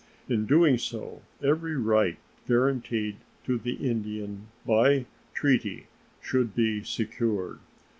In doing so every right guaranteed to the Indian by treaty should be secured.